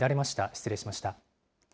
失礼しました。